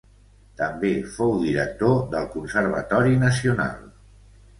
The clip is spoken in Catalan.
També fou director del Conservatori Nacional.